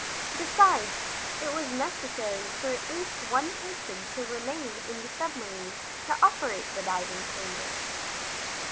Besides, it was necessary for at least one person to remain in the submarine to operate the diving chamber.